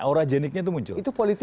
aura jeniknya itu muncul